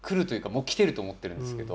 もう来てると思ってるんですけど。